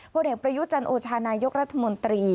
พ่อเด็กประยุจรรย์โอชานายกรัฐมนตรี